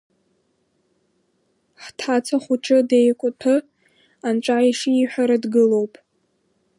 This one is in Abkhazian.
Ҳҭаца хәыҷы деикәаҭәы, анцәа ишиҳәара дгылоуп.